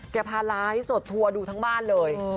เขาพาร้าให้สดทัวร์ดูทั้งบ้านเลย